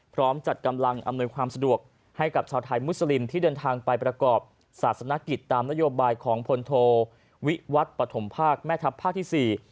พร้อมจัดกำลังอำนวยความสะดวกให้กับชาวไทยมุสลิมที่เดินทางไปประกอบศาสนกิจตามนโยบายของพลโทวิวัตรปฐมภาคแม่ทัพภาคที่๔